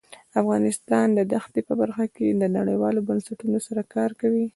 افغانستان د دښتې په برخه کې نړیوالو بنسټونو سره کار کوي.